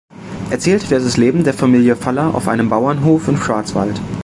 Erzählt wird das Leben der Familie Faller auf einem Bauernhof im Schwarzwald.